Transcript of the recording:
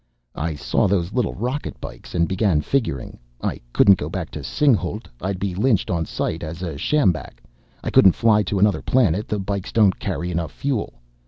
"I saw those little rocket bikes, and began figuring. I couldn't go back to Singhalût; I'd be lynched on sight as a sjambak. I couldn't fly to another planet the bikes don't carry enough fuel.